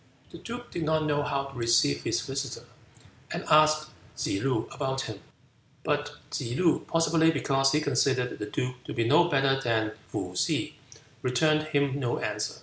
The duke did not know how to receive his visitor, and asked Tsze loo about him. But Tsze loo, possibly because he considered the duke to be no better than Pih Hih, returned him no answer.